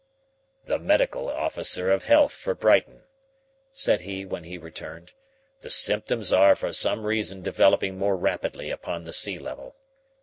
"The medical officer of health for Brighton," said he when he returned. "The symptoms are for some reason developing more rapidly upon the sea level.